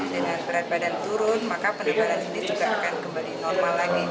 dengan berat badan turun maka penebalan ini juga akan kembali normal lagi